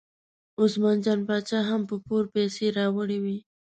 عثمان جان باچا هم په پور پیسې راوړې وې.